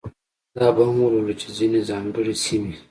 دا به هم ولولو چې ځینې ځانګړې سیمې.